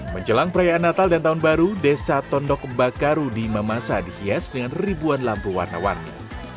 menjelang perayaan natal dan tahun baru desa tondok bakaru di mamasa dihias dengan ribuan lampu warna warni